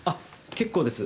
結構です。